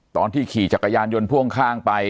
ขี่จักรยานยนต์พ่วงข้างไป